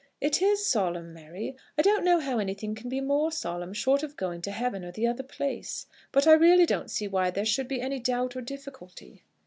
"It is solemn, Mary; I don't know how anything can be more solemn, short of going to heaven or the other place. But I really don't see why there should be any doubt or difficulty."